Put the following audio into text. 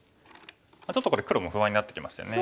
ちょっとこれ黒も不安になってきましたよね。